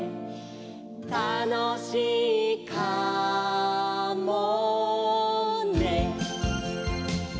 「たのしいかもね」